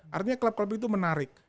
artinya klub klub itu menarik